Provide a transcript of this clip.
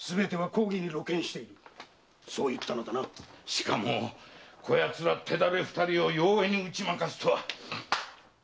しかも手練れ二人を容易に打ち負かすとは。